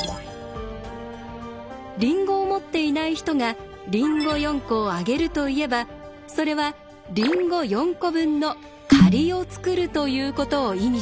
りんごを持っていない人が「りんご４個をあげる」と言えばそれはりんご４個分の借りを作るということを意味します。